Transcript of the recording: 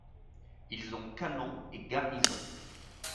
Ils ont canon et garnison.